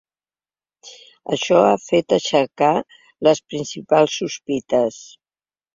Això ha fet aixecar les principals sospites.